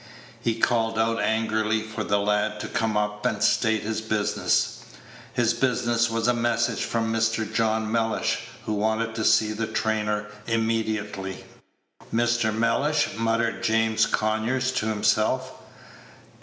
He called out angrily for the lad to come up and state his business. His business was a message from Mr. John Mellish, who wished to see the trainer immediately. Mr. Mellish," muttered James Conyers to himself.